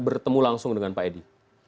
bertemu langsung dengan pak edi